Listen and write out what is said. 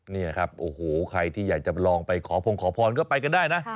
นี่ครับโอ้โหใครที่อยากจะลองไปขอพงขอพรก็ไปกันได้นะ